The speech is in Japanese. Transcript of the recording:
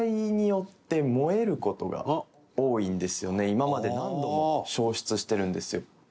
今まで何度も焼失してるんですよ。